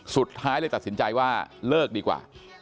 สุดท้ายเลยตัดสินใจว่าเลิกดีกว่า